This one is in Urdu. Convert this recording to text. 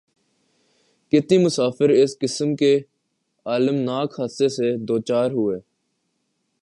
کتنے ہی مسافر اس قسم کے الم ناک حادثے سے دوچار ھوۓ